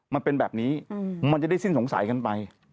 มันเป็นแบบนี้มันจะได้สิ้นสงสัยกันไป